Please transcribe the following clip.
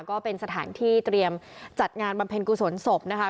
ก็เป็นสถานที่เตรียมจัดงานบำเพ็ญกุศลศพนะคะ